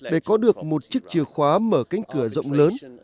để có được một chiếc chìa khóa mở cánh cửa rộng lớn